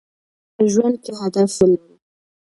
په ژوند کې هدف ولرئ.